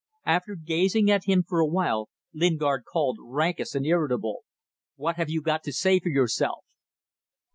After gazing at him for a while, Lingard called, rancorous and irritable "What have you got to say for yourself?"